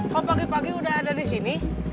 kau pagi pagi udah ada disini